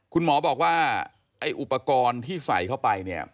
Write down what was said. คุณหมอบอกว่าอุปกรณ์ที่ใส่เข้าไป